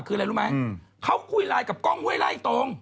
คือแล้วรู้ไหมอืมเขาคุยไลน์กับกองห้วยไล่ตรง